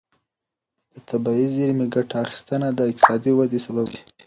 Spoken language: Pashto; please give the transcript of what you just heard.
د طبیعي زېرمې ګټه اخیستنه د اقتصادي ودې سبب ګرځي.